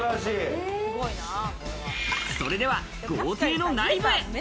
それでは豪邸の内部へ。